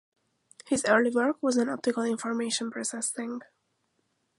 His early work was on optical information processing.